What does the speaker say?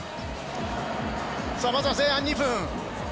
まずは前半２分。